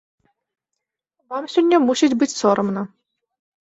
Вам сёння мусіць быць сорамна.